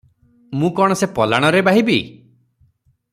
ମୁଁ କଣ ସେ ପଲାଣରେ ବାହିବି?